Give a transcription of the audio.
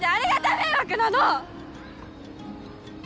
迷惑なの！